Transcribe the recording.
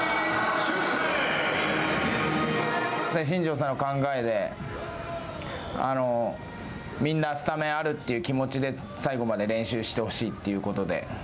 新庄さんの考えでみんなスタメンあるっていう気持ちで最後まで練習してほしいということで。